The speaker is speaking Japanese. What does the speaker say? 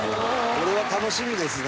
これは楽しみですね。